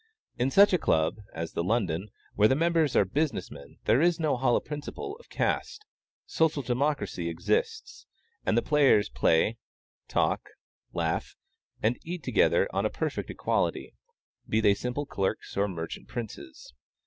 In such a Club as the London, where the members are business men, there is no hollow principle of caste; social democracy exists, and the players play, talk, laugh, and eat together on a perfect equality, be they simple clerks or merchant princes.